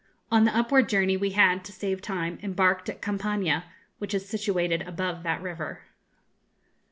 On the upward journey we had, to save time, embarked at Campaña, which is situated above that river.